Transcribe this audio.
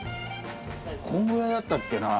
こんぐらいだったけな？